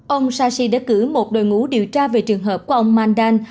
ông sashi đã cử một đội ngũ điều tra về trường hợp của ông mandan